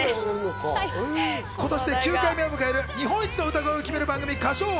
今年で９回目を迎える日本一の歌声を決める番組『歌唱王』。